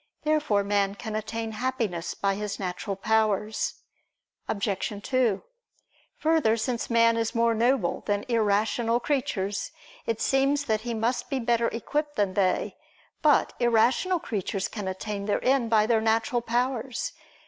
Therefore man can attain Happiness by his natural powers. Obj. 2: Further, since man is more noble than irrational creatures, it seems that he must be better equipped than they. But irrational creatures can attain their end by their natural powers.